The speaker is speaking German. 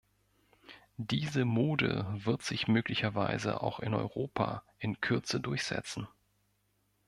Diese Mode wird sich möglicherweise auch in Europa in Kürze durchsetzen.